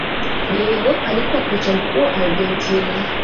Diego alikuwa kocha mkuu wa Argentina